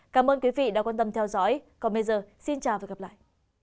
cảm ơn quý vị đã quan tâm theo dõi còn bây giờ xin chào và hẹn gặp lại